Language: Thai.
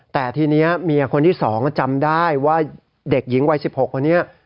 แต่ทีนี้เมียคนที่๒จำได้ว่าเด็กหญิงวัย๑๖คนนี้